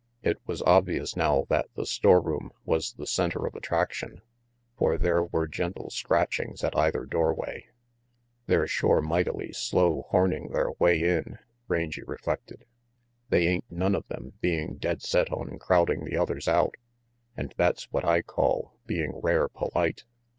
It was obvious now that the storeroom was the center of attraction, for there were gentle scratchings at either doorway. 166 RANGY PETE "They're shore mightily slow horning their way in," Rangy reflected. "They ain't none of them being dead set on crowding the others out, and that's what I call being rare polite.